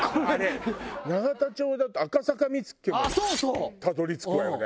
永田町だと赤坂見附もたどり着くわよね。